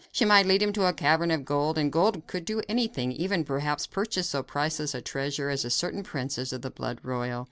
She might lead him to a cavern of gold, and gold would do anything; even, perhaps, purchase so priceless a treasure as a certain princess of the blood royal.